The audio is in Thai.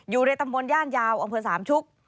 อยู่ในตำบลย่านยาวอำเภอสามชุก